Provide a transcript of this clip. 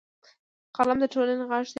قلم د ټولنې غږ دی